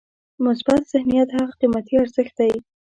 مثبت ذهنیت هغه قیمتي ارزښت دی.